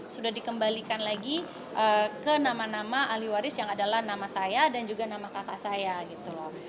sudah dikembalikan lagi ke nama nama ahli waris yang adalah nama saya dan juga nama kakak saya gitu loh